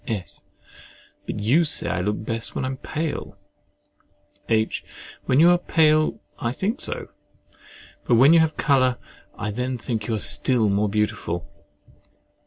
S. But you say I look best when I am pale. H. When you are pale, I think so; but when you have a colour, I then think you still more beautiful.